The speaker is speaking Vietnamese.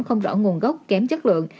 không rõ nguồn gốc kém chất lượng